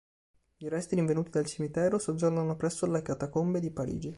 I resti rinvenuti dal cimitero soggiornano presso le Catacombe di Parigi.